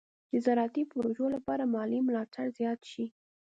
د زراعتي پروژو لپاره مالي ملاتړ زیات شي.